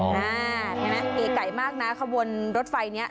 เก๋ไก่มากนะข้าววนรถไฟเนี่ย